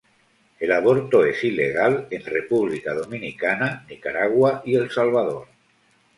El aborto es ilegal en República Dominicana, Nicaragua, y El Salvador.